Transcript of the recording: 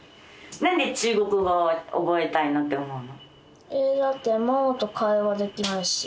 何で中国語覚えたいなって思うの？